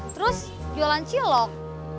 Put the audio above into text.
terus jualan cilok